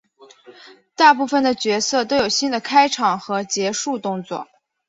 大部分的角色都有新的开场和结束动作。